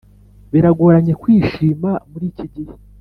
Biragoranye kwishima muri iki gihe